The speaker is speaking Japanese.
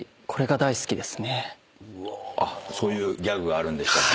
あっそういうギャグがあるんでしたっけ。